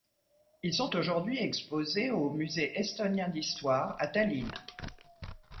Ils sont aujourd'hui exposées au musée estonien d'histoire à Tallinn.